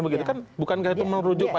bukankah itu menurut jokowi